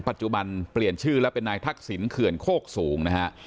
ปัจจุบันเปลี่ยนชื่อแล้วเป็นนายทักษิณเขื่อนโคกสูงนะฮะ